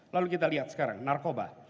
lalu kita lihat sekarang narkoba